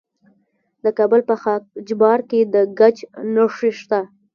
د کابل په خاک جبار کې د ګچ نښې شته.